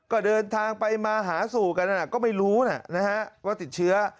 ก็เดินทางไปมาหาสู่กันก็ไม่รู้นะฮะว่าติดเชื้อ